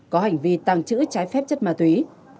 có hành vi tàng trữ trái phép chất ma túy